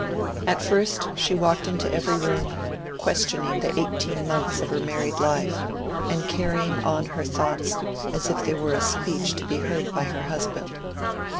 At first she walked into every room, questioning the eighteen months of her married life, and carrying on her thoughts as if they were a speech to be heard by her husband.